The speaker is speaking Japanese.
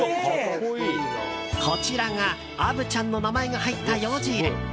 こちらが虻ちゃんの名前が入ったようじ入れ。